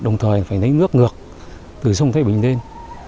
đồng thời phải lấy nước ngược từ sông thái bình lên